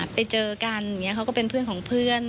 ไปเจอกันอย่างนี้เขาก็เป็นเพื่อนของเพื่อน